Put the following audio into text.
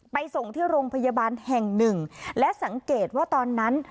ส่งที่โรงพยาบาลแห่งหนึ่งและสังเกตว่าตอนนั้น